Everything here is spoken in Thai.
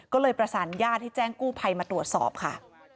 ก็เลยประสานญาติให้แจ้งกู้ภัยมาตรวจสอบค่ะ